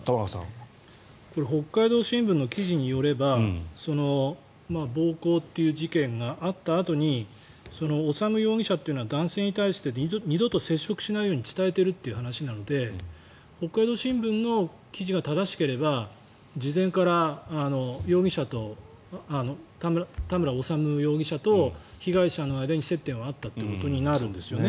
北海道新聞の記事によれば暴行という事件があったあとに修容疑者というのは男性に対して二度と接触しないように伝えてるという話なので北海道新聞の記事が正しければ事前から、田村修容疑者と被害者の間に接点はあったということになるんですよね